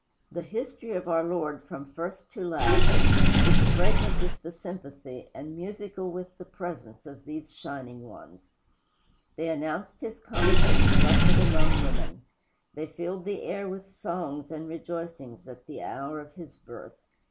The history of our Lord from first to last is fragrant with the sympathy and musical with the presence of these shining ones. They announced his coming to the Blessed among Women. They filled the air with songs and rejoicings at the hour of his birth.